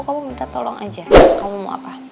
kamu minta tolong aja kamu mau apa